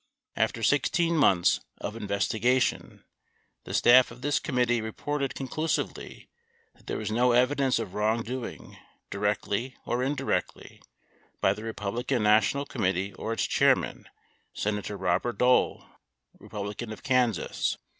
After 16 months of investigation, the staff of this committee reported conclusively that there was no evi dence of wrongdoing, directly or indirectly, by the Republican Na tional Committee or its Chairman, Senator Robert Dole (R Kans.)